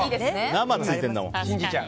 生がついてるんだもん。